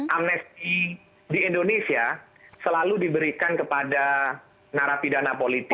amnesti di indonesia selalu diberikan kepada narapidana politik